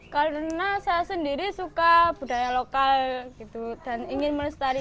karena saya sendiri suka budaya lokal gitu dan ingin melestarikan